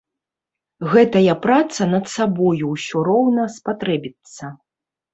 Гэтая праца над сабою ўсё роўна спатрэбіцца.